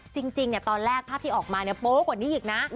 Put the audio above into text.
จริงเนี่ยตอนแรกภาพที่ออกมาเนี่ยโป๊ะกว่านี้อีกนะ